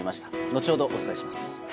後ほどお伝えします。